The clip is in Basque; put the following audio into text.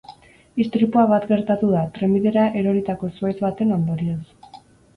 Istripua bat gertatu da, trenbidera eroritako zuhaitz baten ondorioz.